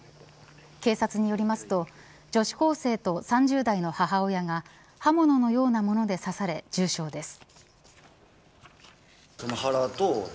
警察によりますと女子高生と３０代の母親が刃物のようなもので刺され重傷です。